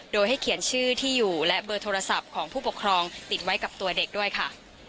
โดยให้เขียนชื่อที่อยู่และเบอร์โทรศัพท์ของผู้ปกครองติดไว้กับตัวเด็กด้วยค่ะ